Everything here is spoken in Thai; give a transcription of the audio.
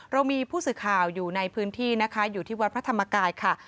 เรามีผู้สื่อข่าวอยู่ในพื้นที่นะคะอยู่ที่วัดพระธรรมกายค่ะ